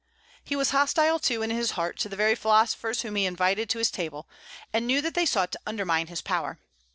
He was hostile too, in his heart, to the very philosophers whom he invited to his table, and knew that they sought to undermine his power.